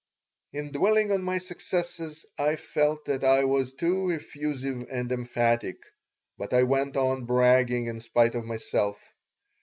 In dwelling on my successes I felt that I was too effusive and emphatic; but I went on bragging in spite of myself.